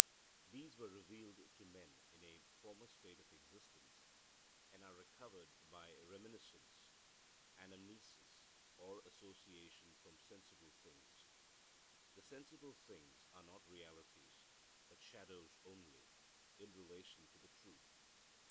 These were revealed to men in a former state of existence, and are recovered by reminiscence (anamnesis) or association from sensible things. The sensible things are not realities, but shadows only, in relation to the truth.'